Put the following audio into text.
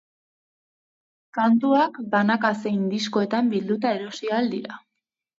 Kantuak banaka zein diskoetan bilduta erosi ahal dira.